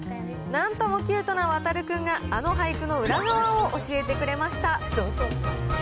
なんともキュートな航君が、あの俳句の裏側を教えてくれました。